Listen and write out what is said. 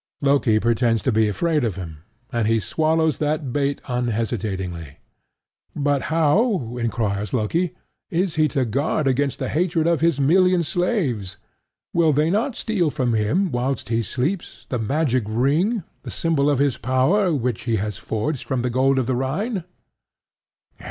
Loki pretends to be afraid of him; and he swallows that bait unhesitatingly. But how, enquires Loki, is he to guard against the hatred of his million slaves? Will they not steal from him, whilst he sleeps, the magic ring, the symbol of his power, which he has forged from the gold of the Rhine?